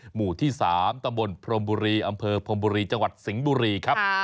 หมู่ที่๓ตำบลพรมบุรีอำเภอพรมบุรีจังหวัดสิงห์บุรีครับ